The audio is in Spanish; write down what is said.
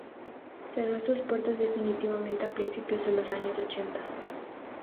Cerró sus puertas definitivamente a principios de los años ochenta.